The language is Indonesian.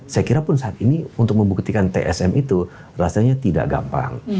saya kira pun saat ini untuk membuktikan tsm itu rasanya tidak gampang